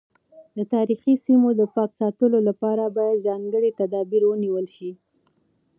د تاریخي سیمو د پاک ساتلو لپاره باید ځانګړي تدابیر ونیول شي.